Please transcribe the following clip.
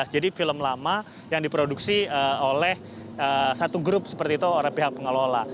jadi film lama yang diproduksi oleh satu grup seperti itu orang pihak pengelola